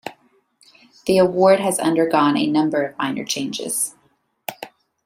The award has undergone a number of minor changes.